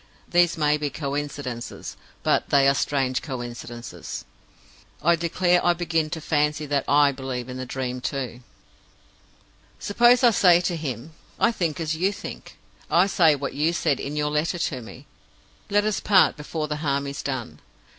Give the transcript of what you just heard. These may be coincidences, but they are strange coincidences. I declare I begin to fancy that I believe in the Dream too! "Suppose I say to him, 'I think as you think. I say what you said in your letter to me, Let us part before the harm is done.